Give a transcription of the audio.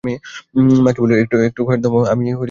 মাকে বলে, একটু খয়ের দাও মা, আমি দোয়াতের কালিতে দেবো।